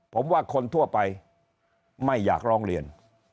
ผมว่าคนทั่วไปไม่อยากร้องเรียน